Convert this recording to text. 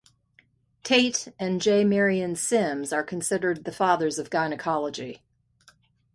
Tait and J. Marion Sims are considered the fathers of gynecology.